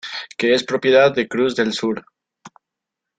Que es propiedad de Cruz del Sur.